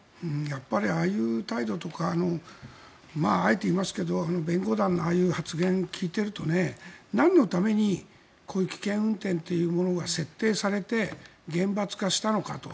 やっぱりああいう態度とかあえて言いますけど弁護団のああいう発言を聞いているとなんのためにこういう危険運転というものが設定されて厳罰化したのかと。